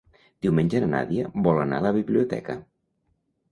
Diumenge na Nàdia vol anar a la biblioteca.